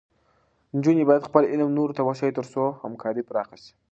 نجونې باید خپل علم نورو ته وښيي، تر څو همکاري پراخه شي.